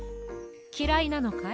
きらいなのかい？